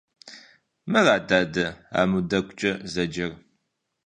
Мыра, дадэ, аму дэгукӀэ зэджэр?